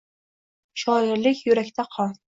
«Shoirlik — yurakda qon —